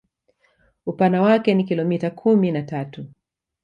Upana wake ni kilomita kumi na tatu